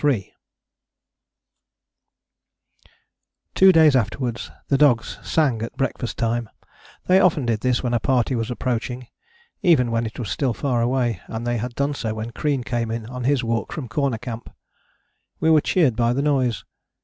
" Two days afterwards the dogs sang at breakfast time: they often did this when a party was approaching, even when it was still far away, and they had done so when Crean came in on his walk from Corner Camp. We were cheered by the noise.